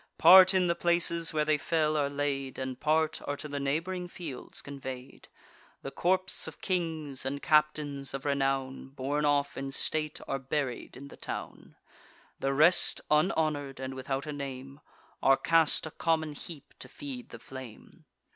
Part in the places where they fell are laid; And part are to the neighb'ring fields convey'd. The corps of kings, and captains of renown, Borne off in state, are buried in the town; The rest, unhonour'd, and without a name, Are cast a common heap to feed the flame.